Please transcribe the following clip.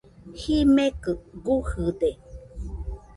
Jimekɨ kujɨde.